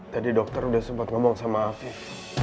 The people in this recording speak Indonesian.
tadi dokter sudah sempat ngomong sama afif